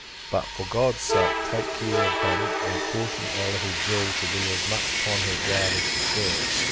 But, for God's sake, take care of him; and caution our little jewel to be as much upon her guard as she can.